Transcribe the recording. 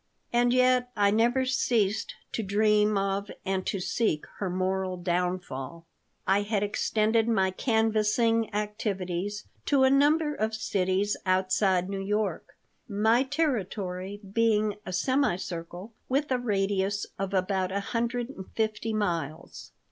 And yet I never ceased to dream of and to seek her moral downfall I had extended my canvassing activities to a number of cities outside New York, my territory being a semicircle with a radius of about a hundred and fifty miles.